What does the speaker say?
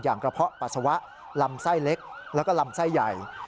กระเพาะปัสสาวะลำไส้เล็กแล้วก็ลำไส้ใหญ่